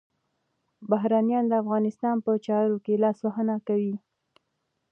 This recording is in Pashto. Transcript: بهرنیان د افغانستان په چارو کي لاسوهنه کوي.